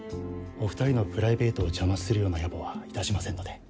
お二人のプライベートを邪魔するようなやぼはいたしませんので。